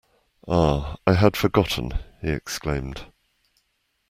Ah, I had forgotten, he exclaimed.